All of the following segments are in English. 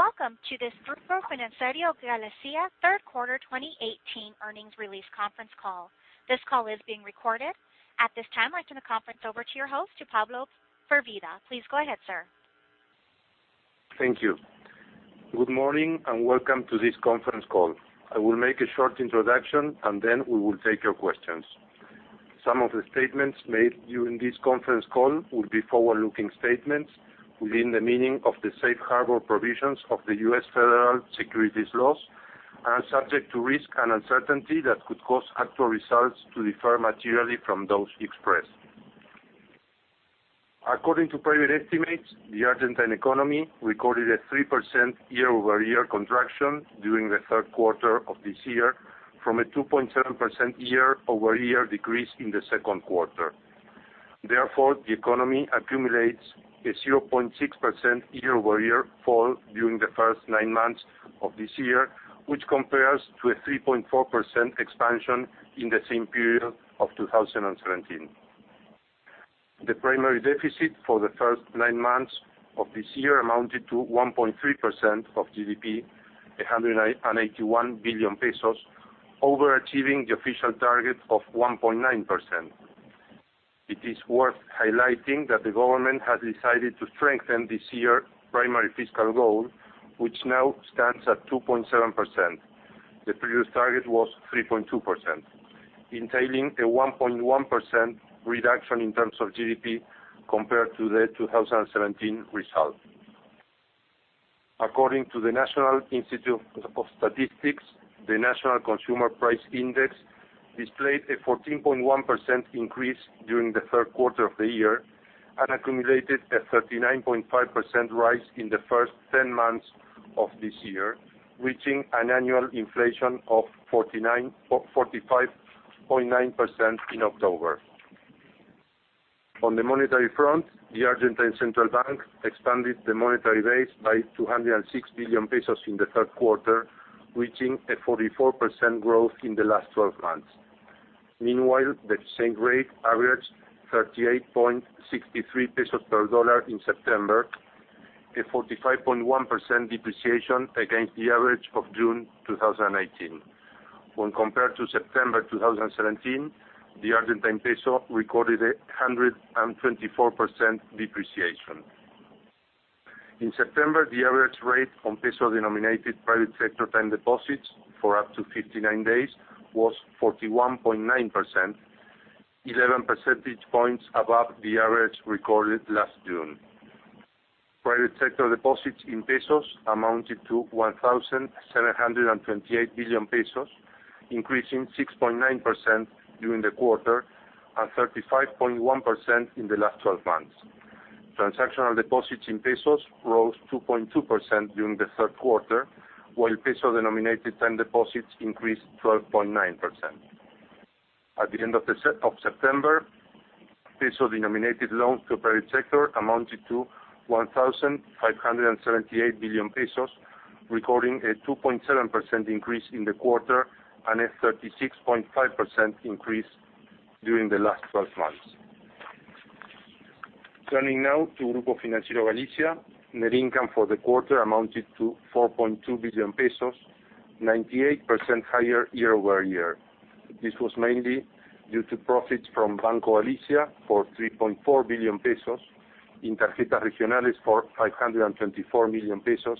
Welcome to this Grupo Financiero Galicia third quarter 2018 earnings release conference call. This call is being recorded. At this time, I turn the conference over to your host, to Pablo Firvida. Please go ahead, sir. Thank you. Good morning, welcome to this conference call. I will make a short introduction. Then we will take your questions. Some of the statements made during this conference call will be forward-looking statements within the meaning of the safe harbor provisions of the U.S. federal securities laws, are subject to risk and uncertainty that could cause actual results to differ materially from those expressed. According to private estimates, the Argentine economy recorded a 3% year-over-year contraction during the third quarter of this year from a 2.7% year-over-year decrease in the second quarter. Therefore, the economy accumulates a 0.6% year-over-year fall during the first nine months of this year, which compares to a 3.4% expansion in the same period of 2017. The primary deficit for the first nine months of this year amounted to 1.3% of GDP, 181 billion pesos, overachieving the official target of 1.9%. It is worth highlighting that the government has decided to strengthen this year's primary fiscal goal, which now stands at 2.7%. The previous target was 3.2%, entailing a 1.1% reduction in terms of GDP compared to the 2017 result. According to the National Institute of Statistics, the national consumer price index displayed a 14.1% increase during the third quarter of the year and accumulated a 39.5% rise in the first 10 months of this year, reaching an annual inflation of 45.9% in October. On the monetary front, the Argentine Central Bank expanded the monetary base by 206 billion pesos in the third quarter, reaching a 44% growth in the last 12 months. Meanwhile, the same rate averaged 38.63 pesos per dollar in September, a 45.1% depreciation against the average of June 2018. When compared to September 2017, the Argentine peso recorded a 124% depreciation. In September, the average rate on peso-denominated private sector time deposits for up to 59 days was 41.9%, 11 percentage points above the average recorded last June. Private sector deposits in pesos amounted to 1,728 billion pesos, increasing 6.9% during the quarter and 35.1% in the last 12 months. Transactional deposits in pesos rose 2.2% during the third quarter, while peso-denominated time deposits increased 12.9%. At the end of September, peso-denominated loans to the private sector amounted to 1,578 billion pesos, recording a 2.7% increase in the quarter and a 36.5% increase during the last 12 months. Turning now to Grupo Financiero Galicia. Net income for the quarter amounted to 4.2 billion pesos, 98% higher year-over-year. This was mainly due to profits from Banco Galicia for 3.4 billion pesos, in Tarjetas Regionales for 524 million pesos,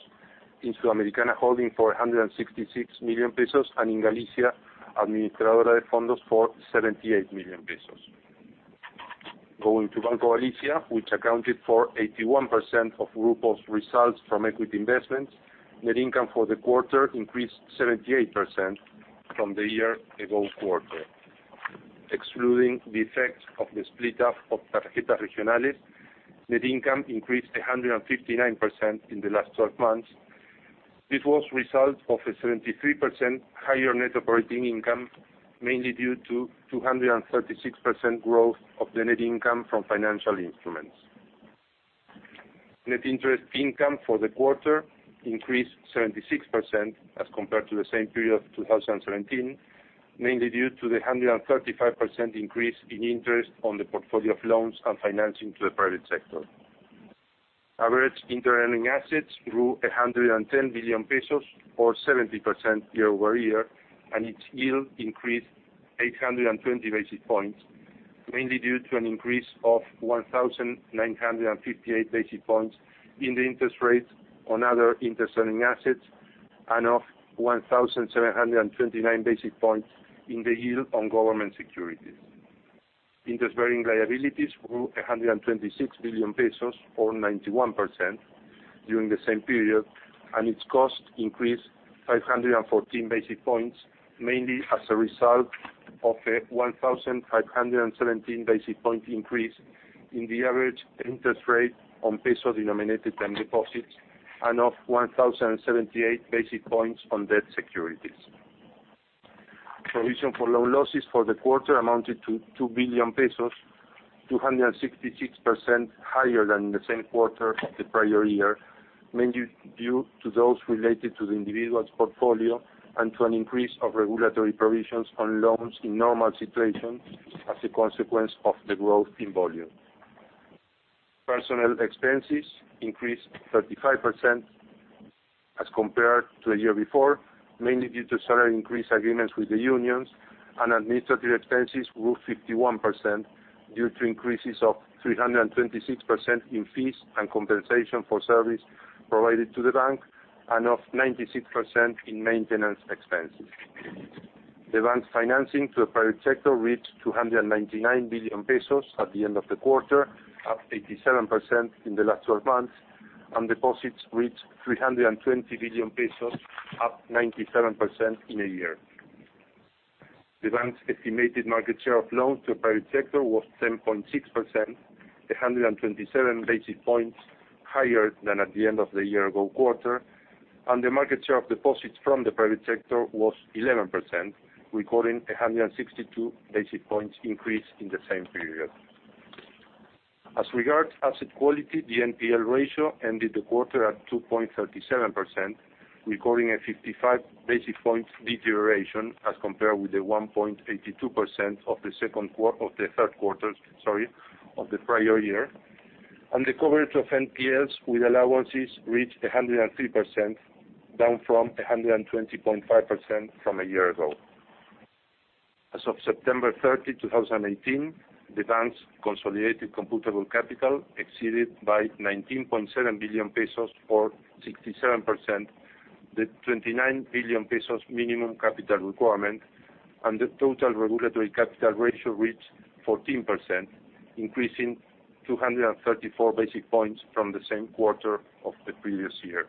in Sudamericana Holding for 166 million pesos, and in Galicia Administradora de Fondos for 78 million pesos. Going to Banco Galicia, which accounted for 81% of Grupo's results from equity investments, net income for the quarter increased 78% from the year-ago quarter. Excluding the effect of the split up of Tarjetas Regionales, net income increased 159% in the last 12 months. This was the result of a 73% higher net operating income, mainly due to 236% growth of the net income from financial instruments. Net interest income for the quarter increased 76% as compared to the same period of 2017, mainly due to the 135% increase in interest on the portfolio of loans and financing to the private sector. Average interest earning assets grew 110 billion pesos, or 70% year-over-year, and its yield increased 820 basis points, mainly due to an increase of 1,958 basis points in the interest rate on other interest-earning assets and of 1,729 basis points in the yield on government securities. Interest-bearing liabilities grew 126 billion pesos, or 91%, during the same period, and its cost increased 514 basis points, mainly as a result of a 1,517 basis point increase in the average interest rate on peso denominated time deposits and of 1,078 basis points on debt securities. Provision for loan losses for the quarter amounted to 2 billion pesos, 266% higher than the same quarter of the prior year, mainly due to those related to the individual's portfolio and to an increase of regulatory provisions on loans in normal situations as a consequence of the growth in volume. Personnel expenses increased 35% as compared to the year before, mainly due to salary increase agreements with the unions, and administrative expenses grew 51%, due to increases of 326% in fees and compensation for service provided to the bank, and of 96% in maintenance expenses. The bank's financing to the private sector reached 299 billion pesos at the end of the quarter, up 87% in the last 12 months, and deposits reached 320 billion pesos, up 97% in a year. The bank's estimated market share of loans to the private sector was 10.6%, 127 basis points higher than at the end of the year-ago quarter, and the market share of deposits from the private sector was 11%, recording 162 basis points increase in the same period. As regards asset quality, the NPL ratio ended the quarter at 2.37%, recording a 55 basis points deterioration as compared with the 1.82% of the third quarter of the prior year. The coverage of NPLs with allowances reached 103%, down from 120.5% from a year ago. As of September 30, 2018, the bank's consolidated computable capital exceeded by 19.7 billion pesos or 67%, the 29 billion pesos minimum capital requirement, and the total regulatory capital ratio reached 14%, increasing 234 basis points from the same quarter of the previous year.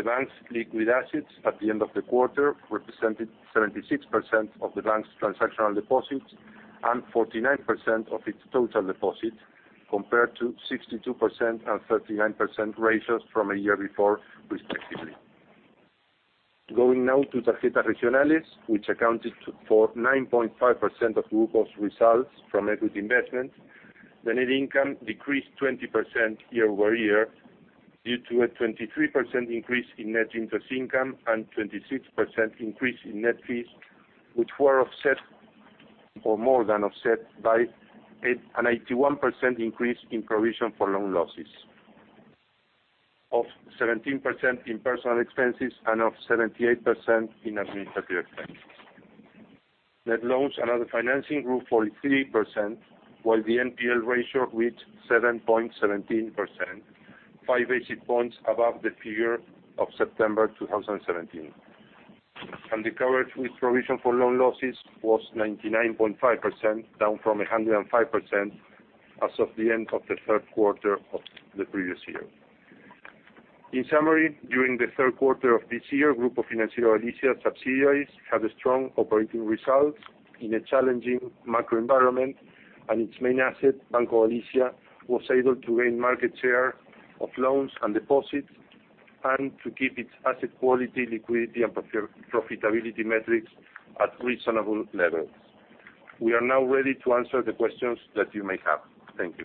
The bank's liquid assets at the end of the quarter represented 76% of the bank's transactional deposits and 49% of its total deposits, compared to 62% and 39% ratios from a year before, respectively. Going now to Tarjetas Regionales, which accounted for 9.5% of Grupo's results from equity investments. The net income decreased 20% year-over-year, due to a 23% increase in net interest income and 26% increase in net fees, which were more than offset by an 81% increase in provision for loan losses, of 17% in personnel expenses and of 78% in administrative expenses. Net loans and other financing grew 43%, while the NPL ratio reached 7.17%, five basic points above the figure of September 2017. The coverage with provision for loan losses was 99.5%, down from 105% as of the end of the third quarter of the previous year. In summary, during the third quarter of this year, Grupo Financiero Galicia subsidiaries had strong operating results in a challenging macro environment, and its main asset, Banco Galicia, was able to gain market share of loans and deposits, and to keep its asset quality, liquidity, and profitability metrics at reasonable levels. We are now ready to answer the questions that you may have. Thank you.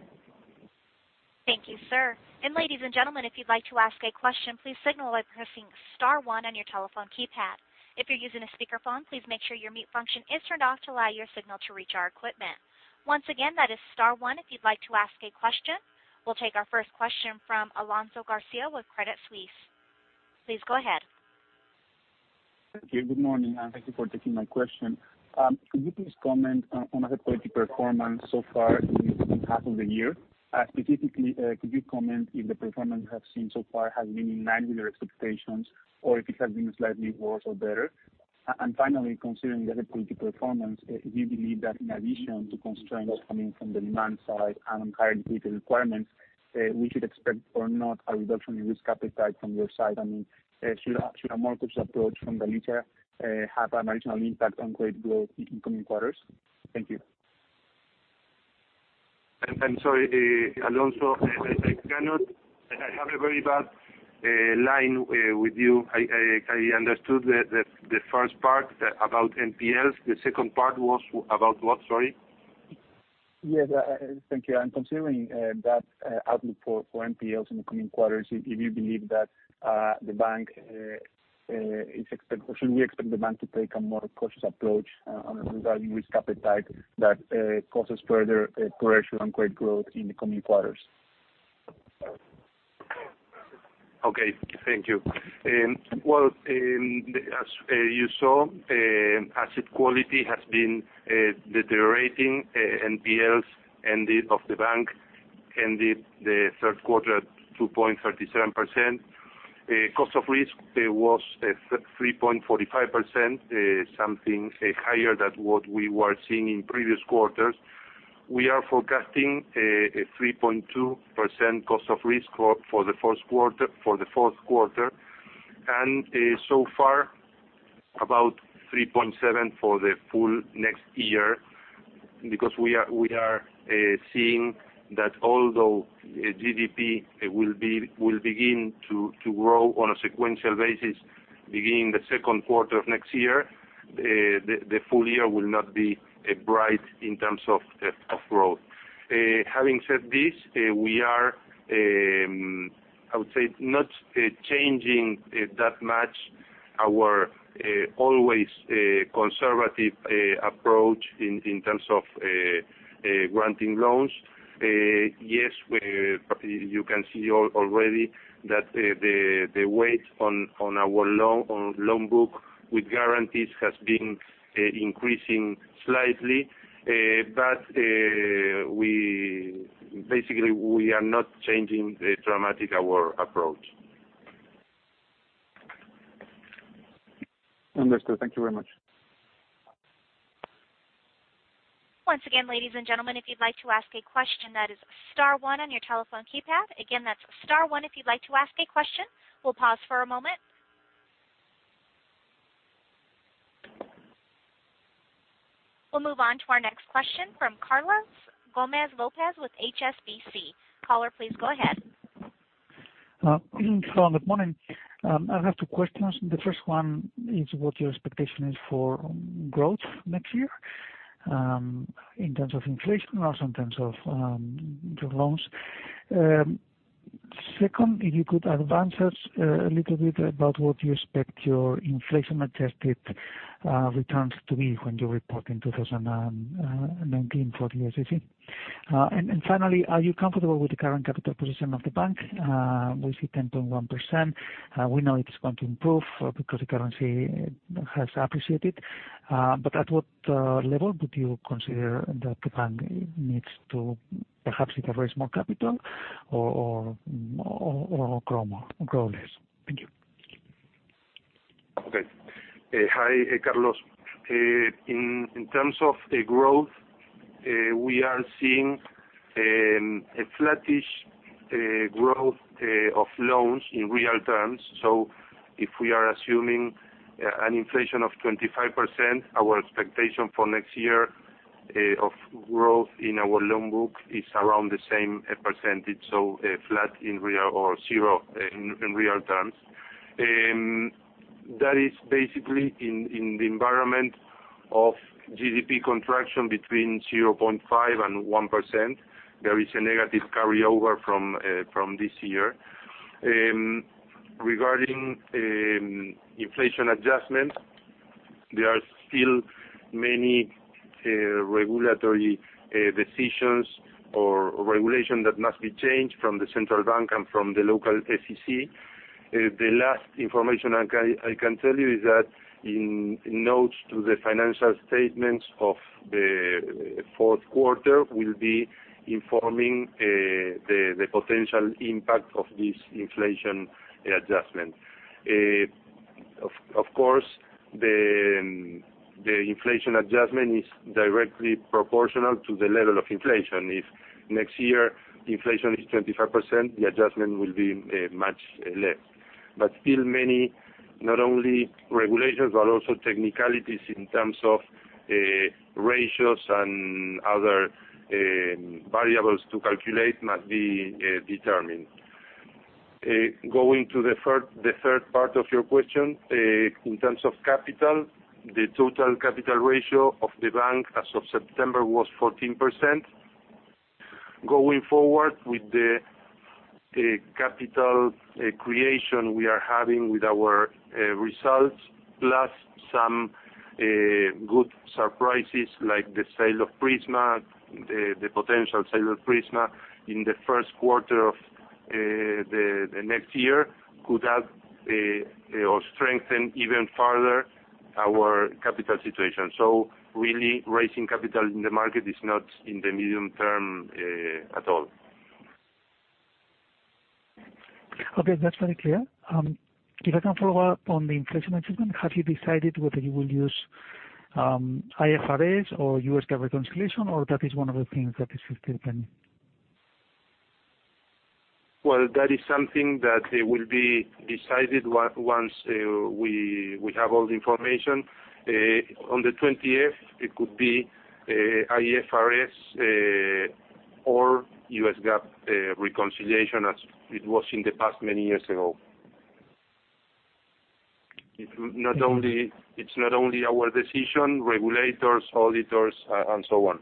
Thank you, sir. Ladies and gentlemen, if you'd like to ask a question, please signal by pressing star one on your telephone keypad. If you're using a speakerphone, please make sure your mute function is turned off to allow your signal to reach our equipment. Once again, that is star one if you'd like to ask a question. We'll take our first question from Alonso Garcia with Credit Suisse. Please go ahead. Thank you. Good morning, and thank you for taking my question. Could you please comment on asset quality performance so far in the second half of the year? Specifically, could you comment if the performance you have seen so far has been in line with your expectations, or if it has been slightly worse or better? Finally, considering the asset quality performance, do you believe that in addition to constraints coming from the demand side and higher liquidity requirements, we should expect or not a reduction in risk appetite from your side? Should a more cautious approach from Galicia have an additional impact on credit growth in the coming quarters? Thank you. I'm sorry, Alonso, I have a very bad line with you. I understood the first part about NPLs. The second part was about what? Sorry. Yes. Thank you. Considering that outlook for NPLs in the coming quarters, should we expect the bank to take a more cautious approach on reserving risk appetite that causes further pressure on credit growth in the coming quarters? Okay. Thank you. Well, as you saw, asset quality has been deteriorating. NPLs of the bank ended the third quarter at 2.37%. Cost of risk was 3.45%, something higher than what we were seeing in previous quarters. We are forecasting a 3.2% cost of risk for the fourth quarter, and so far about 3.7% for the full next year. We are seeing that although GDP will begin to grow on a sequential basis, beginning the second quarter of next year, the full year will not be bright in terms of growth. Having said this, we are, I would say, not changing that much our always conservative approach in terms of granting loans. Yes, you can see already that the weight on our loan book with guarantees has been increasing slightly. Basically, we are not changing dramatically our approach. Understood. Thank you very much. Once again, ladies and gentlemen, if you'd like to ask a question, that is star one on your telephone keypad. Again, that's star one if you'd like to ask a question. We'll pause for a moment. We'll move on to our next question from Carlos Gomez-Lopez with HSBC. Caller, please go ahead. Good morning. I have two questions. The first one is what your expectation is for growth next year, in terms of inflation or in terms of your loans. Second, if you could advance us a little bit about what you expect your inflation-adjusted returns to be when you report in 2019 for the SEC. Finally, are you comfortable with the current capital position of the bank? We see 10.1%. We know it's going to improve because the currency has appreciated. At what level would you consider that the bank needs to perhaps either raise more capital or grow less? Thank you. Okay. Hi, Carlos. In terms of growth, we are seeing a flattish growth of loans in real terms. If we are assuming an inflation of 25%, our expectation for next year of growth in our loan book is around the same percentage, so flat or zero in real terms. That is basically in the environment of GDP contraction between 0.5%-1%. There is a negative carryover from this year. Regarding inflation adjustment, there are still many regulatory decisions or regulations that must be changed from the Central Bank and from the local SEC. The last information I can tell you is that in notes to the financial statements of the fourth quarter, we'll be informing the potential impact of this inflation adjustment. Of course, the inflation adjustment is directly proportional to the level of inflation. If next year inflation is 25%, the adjustment will be much less. Still many, not only regulations, but also technicalities in terms of ratios and other variables to calculate must be determined. Going to the third part of your question, in terms of capital, the total capital ratio of the bank as of September was 14%. Going forward with the capital creation we are having with our results, plus some good surprises like the potential sale of Prisma in the first quarter of the next year could help or strengthen even further our capital situation. Really, raising capital in the market is not in the medium term at all. Okay, that's very clear. If I can follow up on the inflation adjustment, have you decided whether you will use IFRS or U.S. GAAP reconciliation, or that is one of the things that is still pending? Well, that is something that will be decided once we have all the information. On the 20th, it could be IFRS or U.S. GAAP reconciliation as it was in the past many years ago. It's not only our decision, regulators, auditors and so on.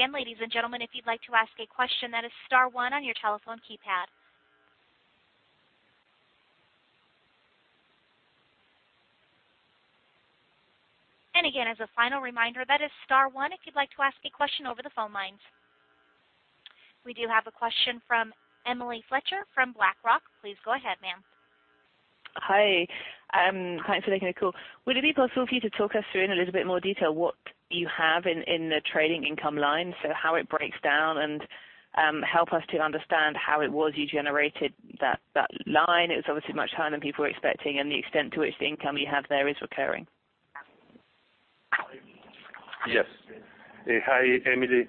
Okay. Thank you. Once again, ladies and gentlemen, if you'd like to ask a question, that is star one on your telephone keypad. Again, as a final reminder, that is star one if you'd like to ask a question over the phone lines. We do have a question from Emily Fletcher from BlackRock. Please go ahead, ma'am. Hi. Thanks for taking the call. Would it be possible for you to talk us through in a little bit more detail what you have in the trading income line, so how it breaks down, and help us to understand how it was you generated that line? It was obviously much higher than people were expecting, and the extent to which the income you have there is recurring. Yes. Hi, Emily.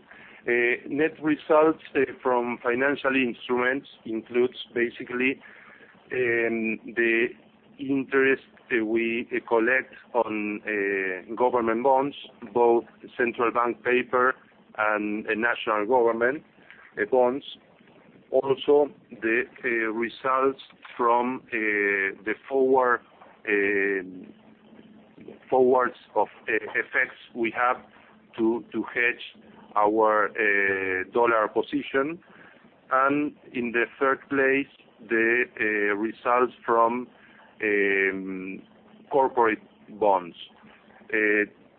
Net results from financial instruments includes basically the interest we collect on government bonds, both central bank paper and national government bonds. Also, the results from the forwards of effects we have to hedge our dollar position. In the third place, the results from corporate bonds.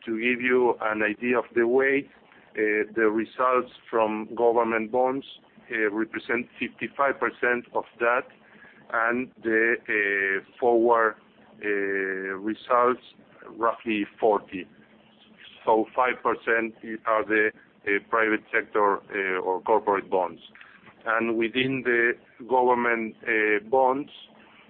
To give you an idea of the weight, the results from government bonds represent 55% of that, and the forward results, roughly 40%. 5% are the private sector or corporate bonds. Within the government bonds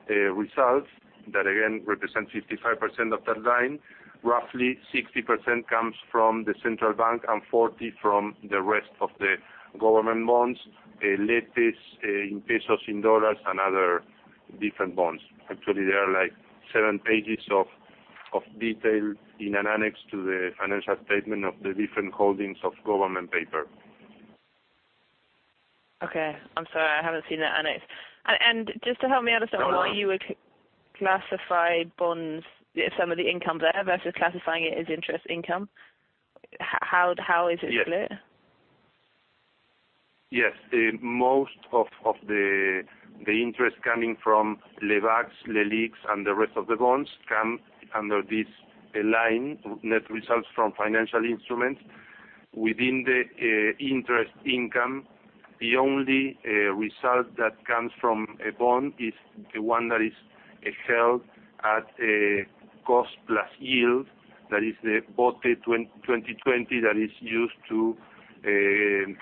results, that again represent 55% of that line, roughly 60% comes from the central bank and 40% from the rest of the government bonds, let this in pesos, in dollars, and other different bonds. Actually, there are seven pages of detail in an annex to the financial statement of the different holdings of government paper. Okay. I'm sorry, I haven't seen that annex. Just to help me understand why you would classify bonds, some of the income there versus classifying it as interest income. How is it split? Yes. Most of the interest coming from Lebacs, Leliqs, and the rest of the bonds come under this line, Net results from financial instruments. Within the interest income, the only result that comes from a bond is the one that is held at a cost plus yield. That is the BONTE 2020 that is used to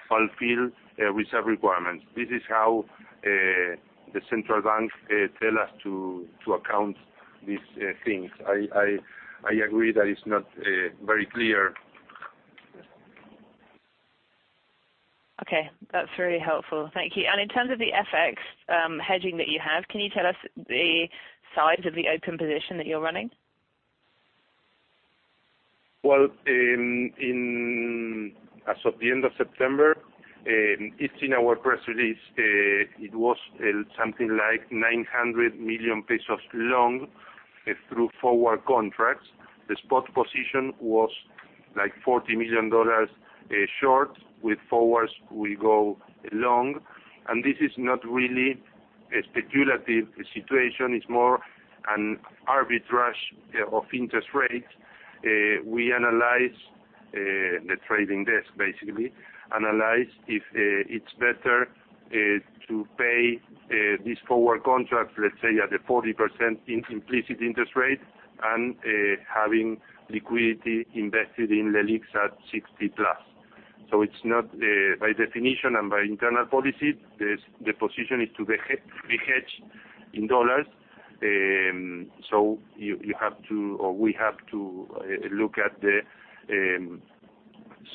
fulfill reserve requirements. This is how the central bank tell us to account these things. I agree that it's not very clear. Okay. That's very helpful. Thank you. In terms of the FX hedging that you have, can you tell us the size of the open position that you're running? Well, as of the end of September, it's in our press release, it was something like 900 million pesos long through forward contracts. The spot position was like $40 million short. With forwards, we go long. This is not really a speculative situation, it's more an arbitrage of interest rates. We analyze, the trading desk basically, analyze if it's better to pay this forward contract, let's say, at the 40% implicit interest rate and having liquidity invested in Leliqs at 60+%. It's not, by definition and by internal policy, the position is to be hedged in dollars. You have to, or we have to look at the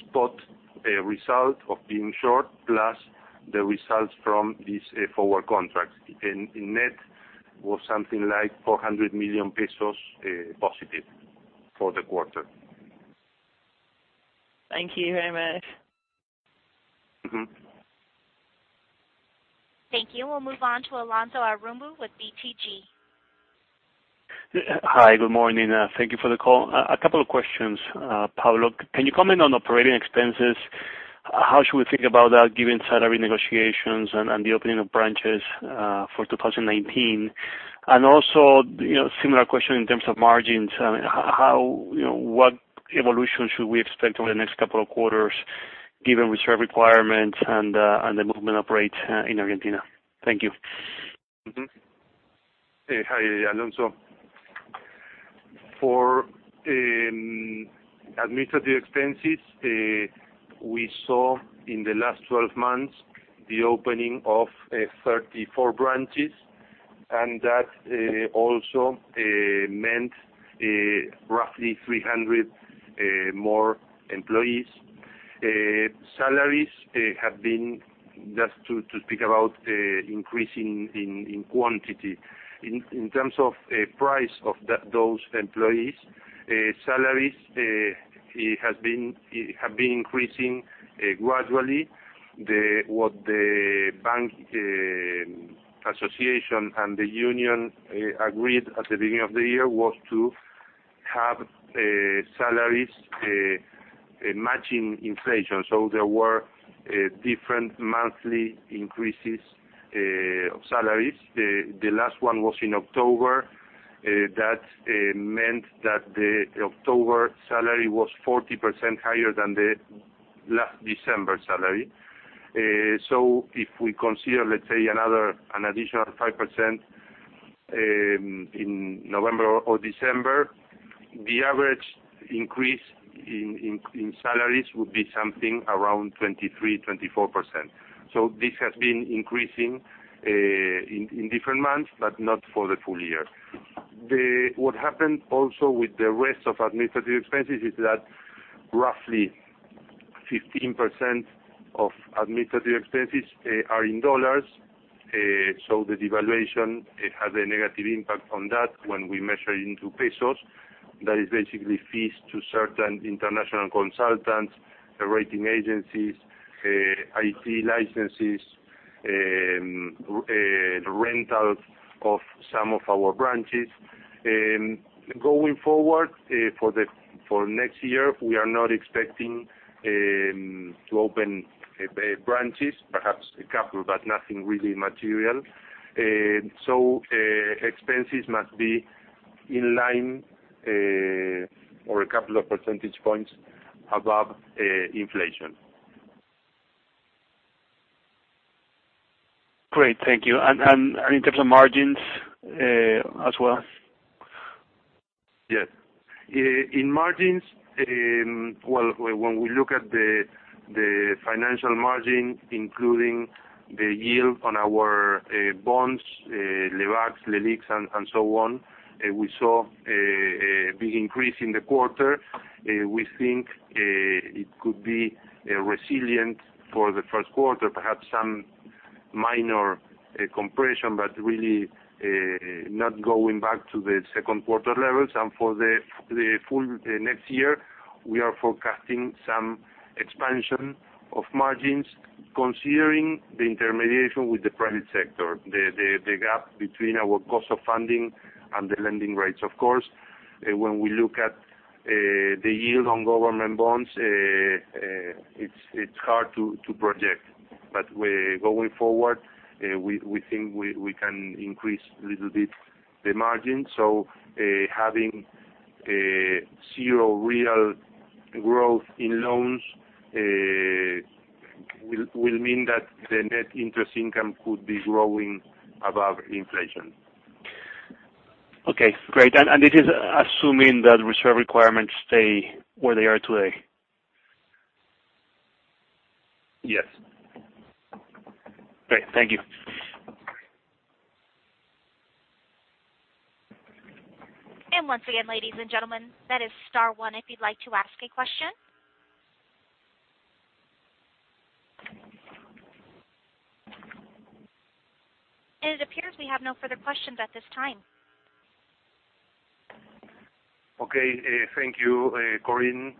spot result of being short plus the results from these forward contracts. In net, was something like 400 million pesos+ for the quarter. Thank you very much. Thank you. We'll move on to Alonso Aramburu with BTG. Hi. Good morning. Thank you for the call. A couple of questions, Pablo. Can you comment on operating expenses? How should we think about that given salary negotiations and the opening of branches for 2019? Also, similar question in terms of margins. What evolution should we expect over the next couple of quarters given reserve requirements and the movement of rates in Argentina? Thank you. Hi, Alonso. For administrative expenses, we saw in the last 12 months the opening of 34 branches, and that also meant roughly 300 more employees. Salaries have been, just to speak about increase in quantity, in terms of price of those employees, salaries have been increasing gradually. What the bank association and the union agreed at the beginning of the year was to have salaries matching inflation. There were different monthly increases of salaries. The last one was in October. That meant that the October salary was 40% higher than the last December salary. If we consider, let's say, an additional 5% in November or December, the average increase in salaries would be something around 23%-24%. This has been increasing in different months, but not for the full year. What happened also with the rest of administrative expenses is that roughly 15% of administrative expenses are in dollars. The devaluation has a negative impact on that when we measure it into pesos. That is basically fees to certain international consultants, rating agencies, IT licenses. The rental of some of our branches. Going forward, for next year, we are not expecting to open branches, perhaps a couple, but nothing really material. Expenses must be in line or a couple of percentage points above inflation. Great. Thank you. In terms of margins as well? Yes. In margins, well, when we look at the financial margin, including the yield on our bonds, Lebacs, Leliqs, and so on, we saw a big increase in the quarter. We think it could be resilient for the first quarter, perhaps some minor compression, but really not going back to the second quarter levels. For the full next year, we are forecasting some expansion of margins considering the intermediation with the private sector, the gap between our cost of funding and the lending rates. Of course, when we look at the yield on government bonds, it's hard to project. Going forward, we think we can increase a little bit the margin. Having zero real growth in loans will mean that the net interest income could be growing above inflation. Okay, great. This is assuming that reserve requirements stay where they are today? Yes. Great. Thank you. Once again, ladies and gentlemen, that is star one if you'd like to ask a question. It appears we have no further questions at this time. Okay. Thank you, Corinne.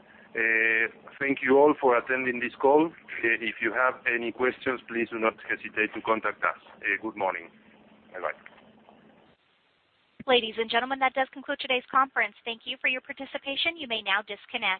Thank you all for attending this call. If you have any questions, please do not hesitate to contact us. Good morning. Bye-bye. Ladies and gentlemen, that does conclude today's conference. Thank you for your participation. You may now disconnect.